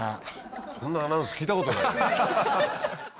そんなアナウンス聞いたことないよ。